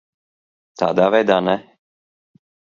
Tādā veidā ne.